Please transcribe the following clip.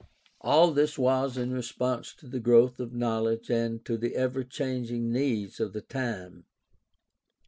All this was in response to the growth of knowledge and to the ever changing needs of the time.